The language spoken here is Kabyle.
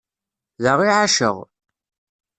Da i εaceɣ.